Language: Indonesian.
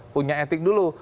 punya etik dulu